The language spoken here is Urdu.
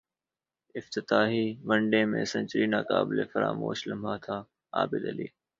افتتاحی ون ڈے میں سنچری ناقابل فراموش لمحہ تھاعابدعلی